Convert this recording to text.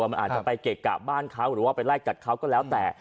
มันอาจจะไปเกะกะบ้านเขาหรือว่าไปไล่กัดเขาก็แล้วแต่